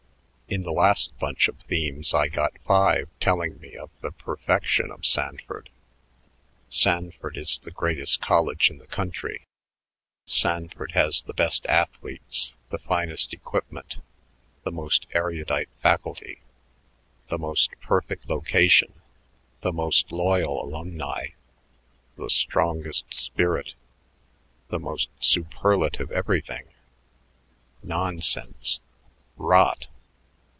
"In the last batch of themes I got five telling me of the perfection of Sanford: Sanford is the greatest college in the country; Sanford has the best athletes, the finest equipment, the most erudite faculty, the most perfect location, the most loyal alumni, the strongest spirit the most superlative everything. Nonsense! Rot!